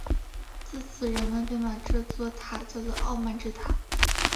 自此人们便把这座塔叫作傲慢之塔。